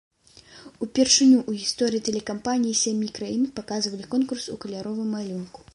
Упершыню ў гісторыі тэлекампаніі сямі краін паказвалі конкурс у каляровым малюнку.